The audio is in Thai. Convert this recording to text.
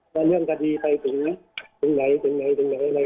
ว่าเรื่องกฎีไปถึงไหนถึงไหนถึงไหนอะไรอย่างนี้